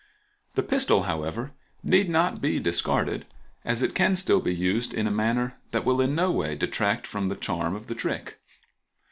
The pistol, however, need not be discarded, as it can still be used in a manner that will in no way detract from the charm of the trick.